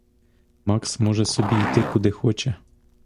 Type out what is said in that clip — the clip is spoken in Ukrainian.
Макс може собі йти куди хоче.